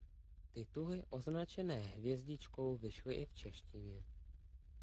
Tituly označené hvězdičkou vyšly i v češtině.